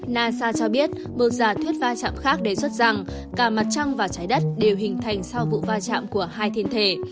nasa cho biết một giả thuyết va chạm khác đề xuất rằng cả mặt trăng và trái đất đều hình thành sau vụ va chạm của hai thiền thể